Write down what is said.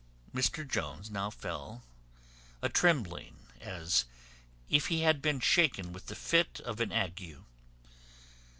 Mr Jones now fell a trembling as if he had been shaken with the fit of an ague.